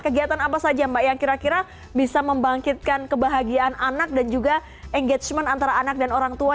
kegiatan apa saja mbak yang kira kira bisa membangkitkan kebahagiaan anak dan juga engagement antara anak dan orang tua